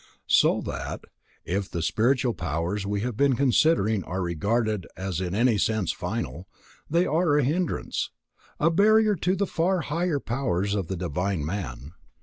So that, if the spiritual powers we have been considering are regarded as in any sense final, they are a hindrance, a barrier to the far higher powers of the divine man.